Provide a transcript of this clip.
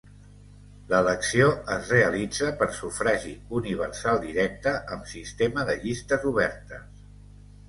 L'elecció es realitza per sufragi universal directe amb sistema de llistes obertes.